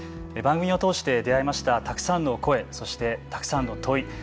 番組を通して出会いましたたくさんの声そしてたくさんの問い。